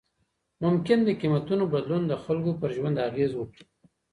ممکن د قیمتونو بدلون د خلګو پر ژوند اغیز وکړي.